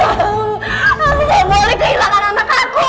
aku pengen ngulik kehilangan anak aku